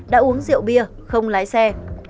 đã uống rượu bia không lái xe